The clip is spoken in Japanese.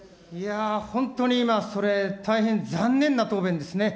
本当にそれ、大変残念な答弁ですね。